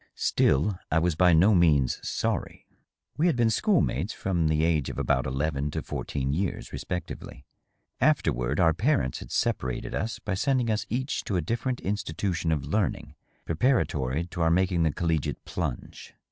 Still, I was by no means sorry. We had DOUGLAS DUANE, 555 been school mates from the age of about eleven to fourteen years, respec tively. Afterward our parents had separated us by sending us each to a different institution of learning, preparatory to our making the colWiate plunge.